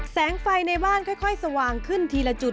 แสงไฟในบ้านค่อยสว่างขึ้นทีละจุด